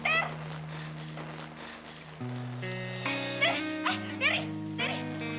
teri eh teri teri